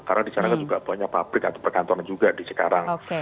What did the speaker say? karena di cikarang juga banyak pabrik atau pergantungan juga di cikarang